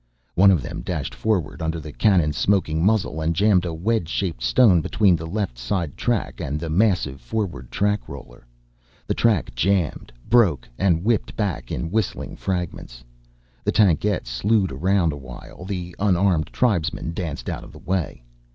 One of them dashed forward, under the cannon's smoking muzzle, and jammed a wedge shaped stone between the left side track and the massive forward track roller. The track jammed, broke, and whipped back in whistling fragments. The tankette slewed around while the unharmed tribesman danced out of the way.